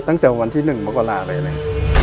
ตั้งแต่วันที่๑มกราไปเลย